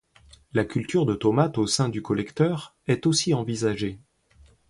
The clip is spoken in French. La culture de tomates au sein du collecteur est aussi envisagée.